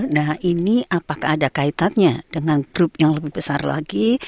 nah ini apakah ada kaitannya dengan grup yang lebih besar lagi